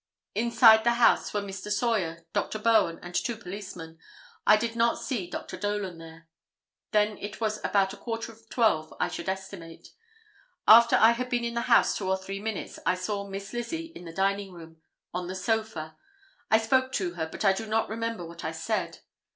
Inside the house were Mr. Sawyer, Dr. Bowen and two policemen. I did not see Dr. Dolan there. Then it was about a quarter of 12, I should estimate. After I had been in the house two or three minutes I saw Miss Lizzie in the dining room on the sofa. I spoke to her, but I do not remember what I said.